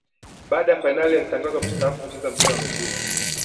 Baada ya fainali alitangaza kustaafu kucheza mpira wa miguu